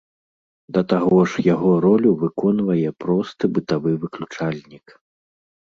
Да таго ж, яго ролю выконвае просты бытавы выключальнік.